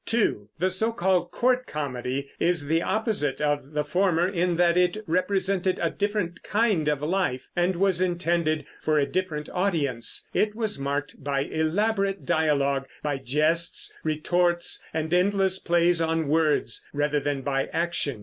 (2) The so called Court Comedy is the opposite of the former in that it represented a different kind of life and was intended for a different audience. It was marked by elaborate dialogue, by jests, retorts, and endless plays on words, rather than by action.